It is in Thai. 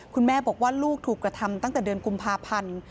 คุณแม่บอกว่าลูกถูกกระทำตั้งแต่เดือนกุมภาพันธ์